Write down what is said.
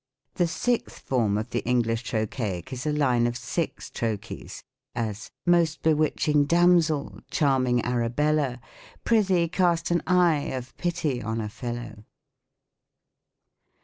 The sixth form of the English Trochaic is a line of six trochees : as, " Most bewitching damsel, charming Arabella, Prithee, cast an eye of pity on a fellow."